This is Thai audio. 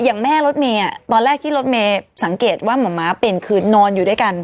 อย่างแม่รถเมย์ตอนแรกที่รถเมย์สังเกตว่าหมอม้าเป็นคือนอนอยู่ด้วยกัน